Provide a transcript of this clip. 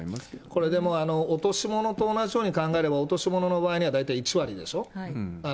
これでも、落とし物と同じように考えれば、落とし物の場合は大体１割でしょ。